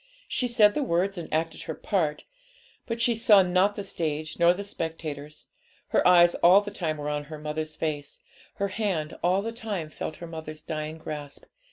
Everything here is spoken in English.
She said the words and acted her part, but she saw not the stage nor the spectators; her eyes all the time were on her mother's face, her hand all the time felt her mother's dying grasp.